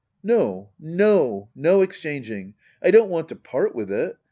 No^ no — ^no exchanging. I don't want to part with it.